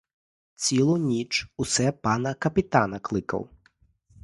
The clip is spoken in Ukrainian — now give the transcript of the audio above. Цілу ніч усе пана капітана кликав.